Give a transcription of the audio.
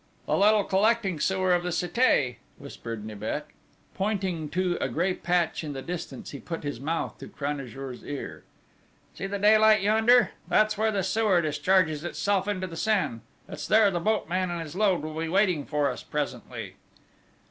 "The little collecting sewer of the Cité," whispered Nibet. Pointing to a grey patch in the distance he put his mouth to Cranajour's ear: "See the daylight yonder? That's where the sewer discharges itself into the Seine: it's there the boatman and his load will be waiting for us presently."